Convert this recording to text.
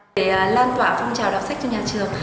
để lan tỏa phong trào đọc sách cho nhà trường